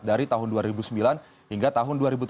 dari tahun dua ribu sembilan hingga tahun dua ribu tujuh belas